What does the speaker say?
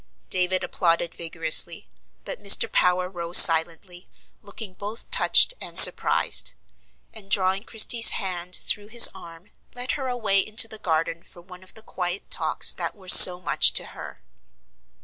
David applauded vigorously; but Mr. Power rose silently, looking both touched and surprised; and, drawing Christie's hand through his arm, led her away into the garden for one of the quiet talks that were so much to her.